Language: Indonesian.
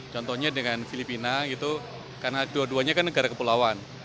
contohnya dengan filipina gitu karena dua duanya kan negara kepulauan